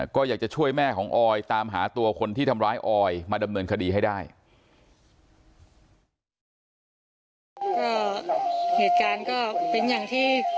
ก็เหตุการณ์ก็เป็นอย่างที่